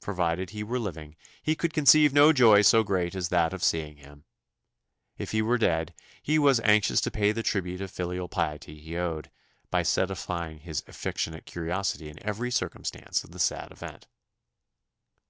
Provided he were living, he could conceive no joy so great as that of seeing him! If he were dead, he was anxious to pay the tribute of filial piety he owed, by satisfying his affectionate curiosity in every circumstance of the sad event.